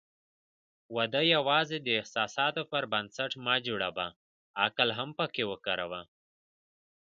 واده یوازې د احساساتو پر بنسټ مه جوړوه، عقل هم پکې وکاروه.